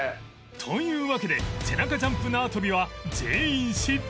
というわけで背中ジャンプ縄跳びは全員失敗